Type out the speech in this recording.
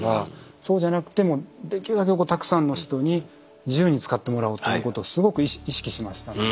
そうじゃなくてもうできるだけたくさんの人に自由に使ってもらおうということをすごく意識しましたので。